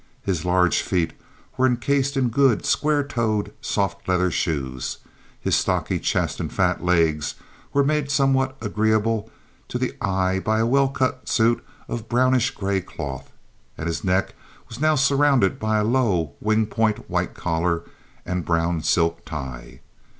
His large feet were incased in good, square toed, soft leather shoes; his stocky chest and fat legs were made somewhat agreeable to the eye by a well cut suit of brownish gray cloth; and his neck was now surrounded by a low, wing point white collar and brown silk tie.